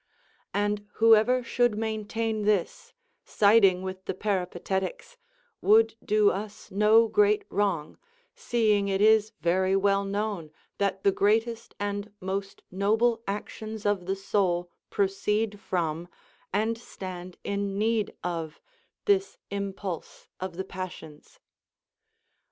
And whoever should maintain this, siding with the Peripatetics, would do us no great wrong, seeing it is very well known that the greatest and most noble actions of the soul proceed from, and stand in need of, this impulse of the passions.